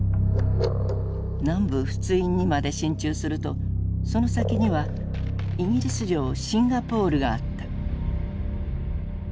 南部仏印にまで進駐するとその先にはイギリス領シンガポールがあった。